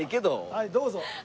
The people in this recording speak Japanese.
はいどうぞ。